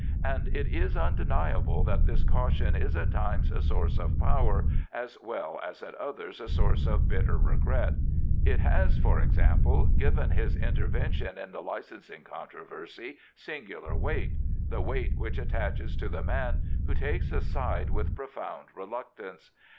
And it is undeniable that this caution is at times a source of power, as well as at others a source of bitter regret. It has, for example, given his intervention in the licensing controversy singular weight — the weight which attaches to the man who takes a side with profound reluctance.